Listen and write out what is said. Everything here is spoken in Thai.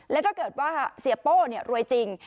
และถ้าเกิดว่าเสียโป้รวยจริง